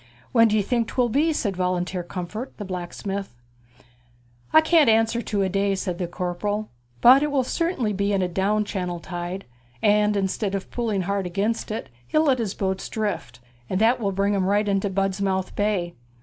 'When d'ye think 'twill be?' said Volunteer Comfort, the blacksmith. 'I can't answer to a day,' said the corporal, 'but it will certainly be in a down channel tide; and instead of pulling hard against it, he'll let his boats drift, and that will bring 'em right into Budmouth Bay.